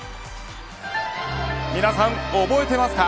皆さん、覚えていますか。